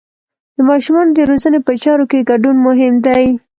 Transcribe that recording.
د ماشومانو د روزنې په چارو کې ګډون مهم دی.